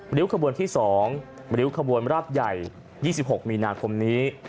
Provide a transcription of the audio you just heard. บริวคบวนที่สองบริวคบวนราบใหญ่สักที่๖หมีนาทมนี